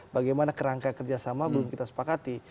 bagaimana kerangka kerjasama belum kita sepakati